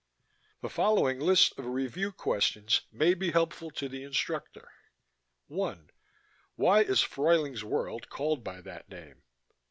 ... The following list of Review Questions may be helpful to the instructor: 1. Why is Fruyling's World called by that name?